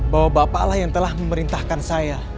bahwa bapaklah yang telah memerintahkan saya